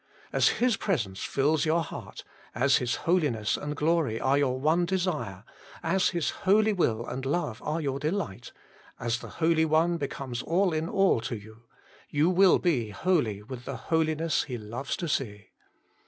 As His presence fills your heart, as His Holi ness and Glory are your one desire, as His holy Will and Love are your delight, as the Holy One becomes all in all to you, you will be holy with the holiness He loves to see.